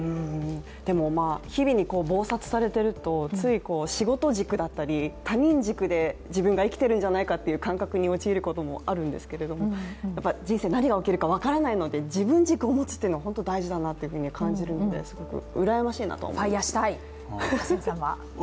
でも日々に忙殺されているとつい仕事軸だったり他人軸で自分が生きてるんじゃないかという感覚に陥ることもあるんですけれども、人生何が起きるか分からないので自分軸を持つというのは本当に大事だなと感じるのですごくうらやましいなとは思いますね。